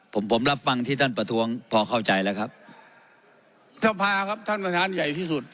ผมผมรับฟังที่ท่านประท้วงพอเข้าใจแล้วครับสภาครับท่านประธานใหญ่ที่สุด